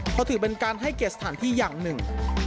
เพราะถือเป็นการให้เกียรติสถานที่อย่างหนึ่ง